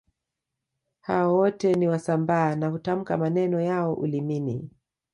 Hawa wote ni Wasambaa na hutamka maneno yao ulimini